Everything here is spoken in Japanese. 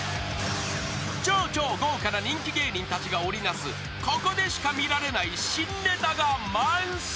［超超豪華な人気芸人たちが織り成すここでしか見られない新ネタが満載］